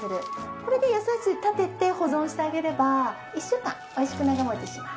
これで野菜室に立てて保存してあげれば１週間美味しく長持ちします。